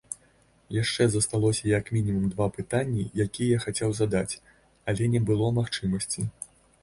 Яшчэ засталося як мінімум два пытанні, якія я хацеў задаць, але не было магчымасці.